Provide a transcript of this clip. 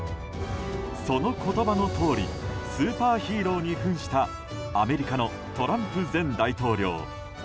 その言葉のとおりスーパーヒーローに扮したアメリカのトランプ前大統領。